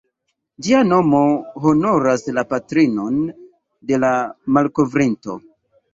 Ĝia nomo honoras la patrinon de la malkovrinto.